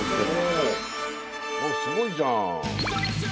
すごいじゃん。